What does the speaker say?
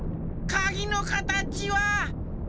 かぎのかたちは。